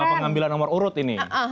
pengambilan nomor urut ini